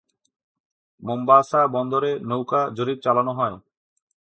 Mombasa বন্দরে নৌকা জরিপ চালানো হয়।